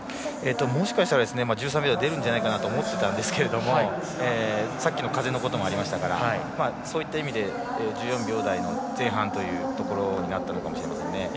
もしかしたら１３秒台が出るんじゃないかなと思っていたんですけれどもさっきの風のこともありましたからそういった意味で１４秒台の前半というところになったのかもしれません。